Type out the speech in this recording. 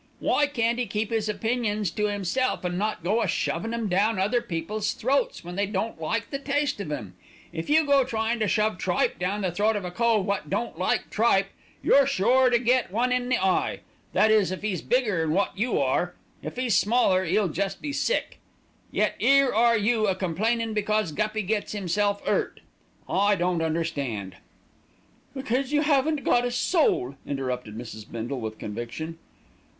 Why can't 'e keep 'is opinions to 'imself, and not go a shovin' 'em down other people's throats when they don't like the taste of 'em? If you go tryin' to shove tripe down the throat of a cove wot don't like tripe, you're sure to get one in the eye, that is if 'e's bigger'n wot you are; if 'e's smaller 'e'll jest be sick. Yet 'ere are you a complainin' because Guppy gets 'imself 'urt. I don't understand " "Because you haven't got a soul," interrupted Mrs. Bindle with conviction.